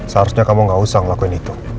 seharusnya kamu gak usah ngelakuin itu